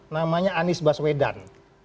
namanya anies baswedan